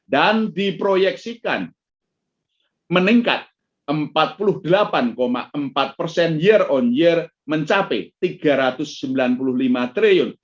dan diproyeksikan meningkat empat puluh delapan empat persen year on year mencapai rp tiga ratus sembilan puluh lima triliun